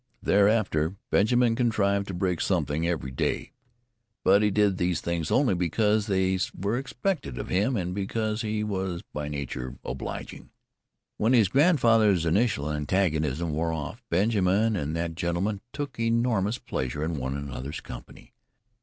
Thereafter Benjamin contrived to break something every day, but he did these things only because they were expected of him, and because he was by nature obliging. When his grandfather's initial antagonism wore off, Benjamin and that gentleman took enormous pleasure in one another's company.